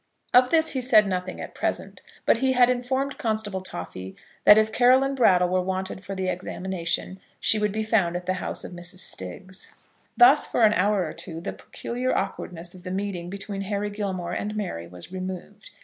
Of this he said nothing at present, but he had informed Constable Toffy that if Caroline Brattle were wanted for the examination she would be found at the house of Mrs. Stiggs. Thus for an hour or two the peculiar awkwardness of the meeting between Harry Gilmore and Mary was removed.